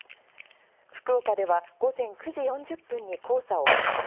福岡では午前９時４０分に黄砂を観測。